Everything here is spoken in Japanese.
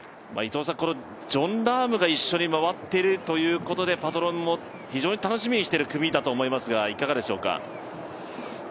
ジョン・ラームが一緒に回っているということでパトロンも非常に楽しみにしている組だと思いますが、いかがでしょうか？